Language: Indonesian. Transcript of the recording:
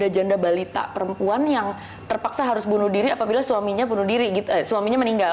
dia juga menerima pengajaran dari perempuan yang terpaksa harus bunuh diri apabila suaminya meninggal